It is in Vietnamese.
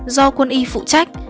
do quân y phụ trách